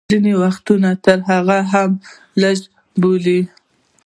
ځینې وختونه تر هغه هم لږ، بلې.